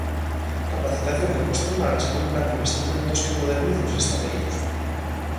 Capacitación e posta en marcha dun plan de investimentos que modernice os estaleiros.